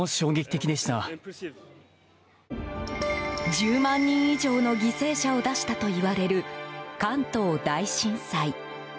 １０万人以上の犠牲者を出したといわれる関東大震災。